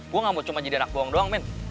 gue gak mau jadi anak bohong doang men